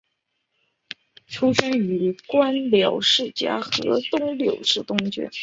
出生于官僚世家河东柳氏东眷。